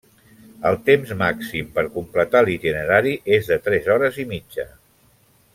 El temps màxim per completar l'itinerari és de tres hores i mitja.